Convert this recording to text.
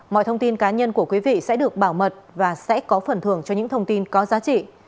mọi thông tin cá nhân của quý vị sẽ được bảo mật và sẽ có phần thưởng cho những thông tin có giá trị